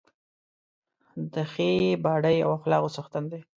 د ښې باډۍ او اخلاقو څښتن دی.